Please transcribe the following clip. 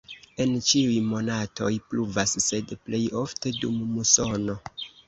En ĉiuj monatoj pluvas, sed plej ofte dum musono.